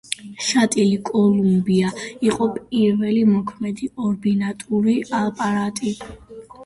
შატლი „კოლუმბია“ იყო პირველი მოქმედი ორბიტალური აპარატი.